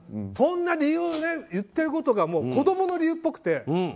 そんな理由を言ってることが子供の理由っぽくて。